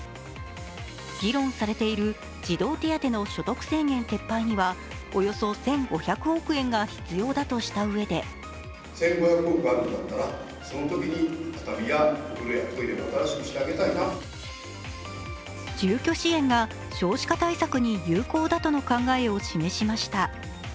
議論されている児童手当の所得制限撤廃にはおよそ１５００億円が必要だとしたうえで住宅支援が少子化対策に有効だとの考えを示しました。